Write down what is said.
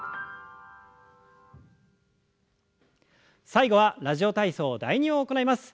最後は「ラジオ体操第２」を行います。